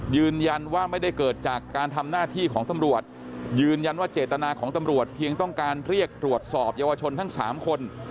ยืนยันว่าไม่ได้เกิดจากการทำหน้าที่ของตำรวจยืนยันว่าเจตนาของตำรวจเพียงต้องการเรียกตรวจสอบเยาวชนทั้ง๓คน